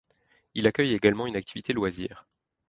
Il accueille également une activité loisir.